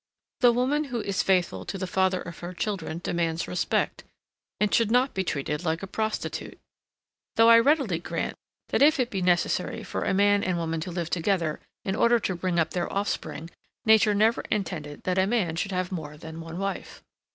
The woman who is faithful to the father of her children demands respect, and should not be treated like a prostitute; though I readily grant, that if it be necessary for a man and woman to live together in order to bring up their offspring, nature never intended that a man should have more than one wife.